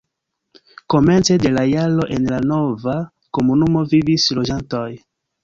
Komence de la jaro en la nova komunumo vivis loĝantoj.